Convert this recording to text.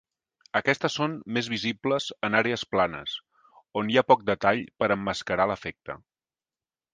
Aquestes són més visibles en àrees planes, on hi ha poc detall per emmascarar l'efecte.